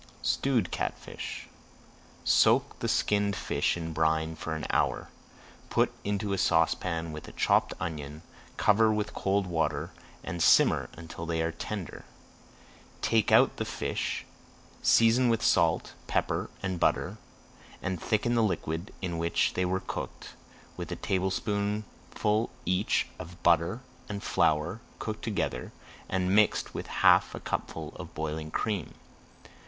[Page 90] STEWED CATFISH Soak the skinned fish in brine for an hour. Put into a saucepan with a chopped onion, cover with cold water, and simmer until they are tender. Take out the fish, season with salt, pepper, and butter, and thicken the liquid in which they were cooked with a tablespoonful each of butter and flour cooked together and mixed with half a cupful of boiling cream.